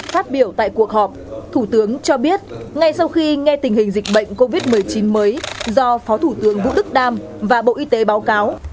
phát biểu tại cuộc họp thủ tướng cho biết ngay sau khi nghe tình hình dịch bệnh covid một mươi chín mới do phó thủ tướng vũ đức đam và bộ y tế báo cáo